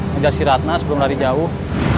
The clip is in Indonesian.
menjaga si ratna sebelum lari jauh